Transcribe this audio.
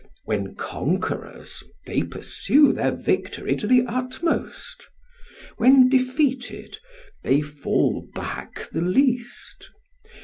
When conquerors, they pursue their victory to the utmost; when defeated, they fall back the least.